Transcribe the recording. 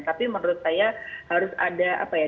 tapi menurut saya harus ada